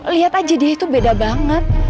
lihat aja dia itu beda banget